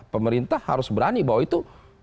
pemerintah harus berani bahwa itu